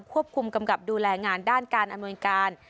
ควบคุมกำกับดูแลงานด้านการอำนวยการ